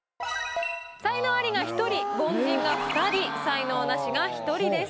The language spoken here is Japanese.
才能アリが１人凡人が２人才能ナシが１人です。